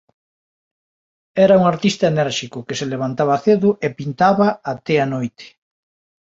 Era un artista enérxico que se levantaba cedo e pintaba até a noite.